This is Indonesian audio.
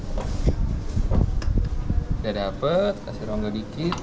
sudah dapat kasih rongga dikit